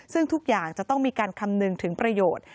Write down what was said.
ซึ่งทุกอย่างจะต้องมีการคำนึงถึงประโยชน์